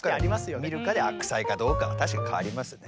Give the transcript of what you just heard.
どっから見るかで悪妻かどうかは確かに変わりますね。